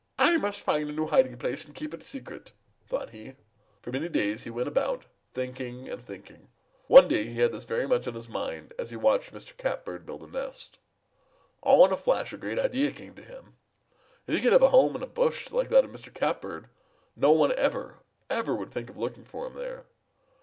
"'I must find a new hiding place and keep it a secret,' thought he. For many days he went about, thinking and thinking. One day he had this very much on his mind as he watched Mr. Catbird build a nest. All in a flash a great idea came to him. If he could have a home in a bush like that of Mr. Catbird, no one ever, ever would think of looking for him there!